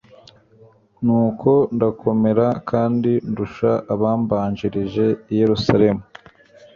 nuko ndakomera kandi ndusha abambanjirije i yerusalemu